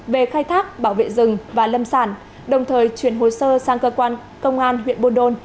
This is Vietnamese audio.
về khai thác bảo vệ rừng và lâm sản đồng thời chuyển hồ sơ sang cơ quan công an huyện buôn đôn